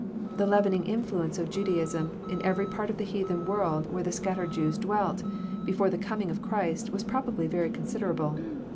The leavening influence of Judaism, in every part of the heathen world where the scattered Jews dwelt, before the coming of Christ, was probably very considerable.